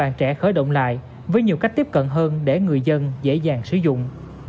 các bạn trẻ khởi động lại với nhiều cách tiếp cận hơn để người dân dễ dàng sử dụng